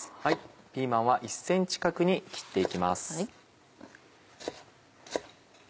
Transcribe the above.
ピーマンは１ｃｍ角に切って行きます。